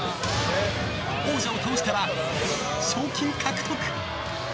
王者を倒したら賞金獲得！